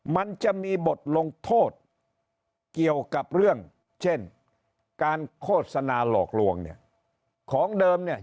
มันจะมีบทลงโทษเกี่ยวกับเรื่องเช่นการโฆษณาหลอกลวงเนี่ยของเดิมเนี่ย